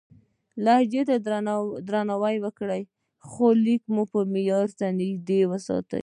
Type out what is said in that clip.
لهجې ته درناوی وکړئ، خو لیک مو معیار ته نږدې وساتئ.